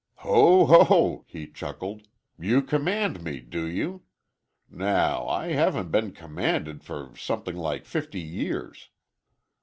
"Ho, ho," he chuckled, "you command me, do you? Now, I haven't been commanded for something like fifty years."